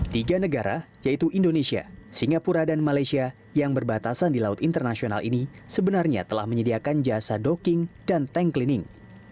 tiga negara yaitu indonesia singapura dan malaysia yang berbatasan di laut internasional ini sebenarnya telah menyediakan jasa docking dan tank cleaning